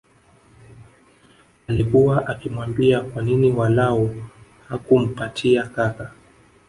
Alikua akimwambia kwa nini walau hakumpatia kaka